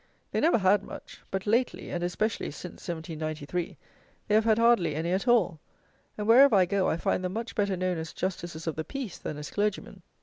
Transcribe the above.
They never had much; but, lately, and especially since 1793, they have had hardly any at all; and, wherever I go, I find them much better known as Justices of the Peace than as Clergymen.